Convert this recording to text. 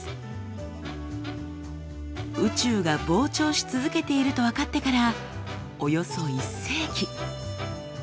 宇宙が膨張し続けていると分かってからおよそ１世紀。